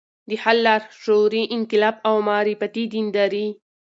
د حل لار: شعوري انقلاب او معرفتي دینداري